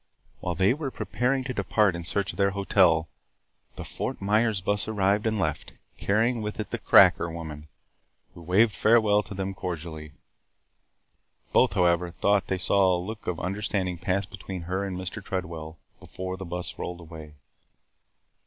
While they were preparing to depart in search of their hotel, the Fort Myers bus arrived and left, carrying with it the "cracker" woman, who waved farewell to them cordially. Both, however, thought they saw a look of understanding pass between her and Mr. Tredwell before the bus rolled away.